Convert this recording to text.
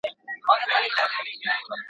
چي د دې به څه حکمت، څه فلسفه وي ,